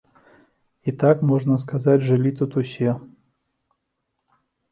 І так, можна сказаць, жылі тут усе.